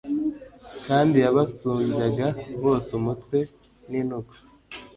kandi yabasumbyaga bose umutwe n'intugu